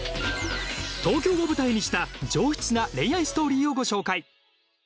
東京を舞台にした上質な恋愛ストーリーをご紹介。